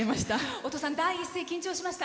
お父さん第一声、緊張しました？